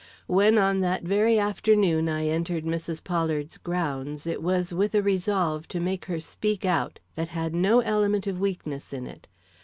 When on that very afternoon I entered Mrs. Pollard's grounds, it was with a resolve to make her speak out, that had no element of weakness in it.